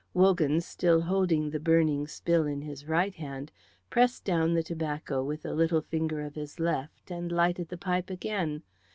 Wogan, still holding the burning spill in his right hand, pressed down the tobacco with the little finger of his left, and lighted the pipe again.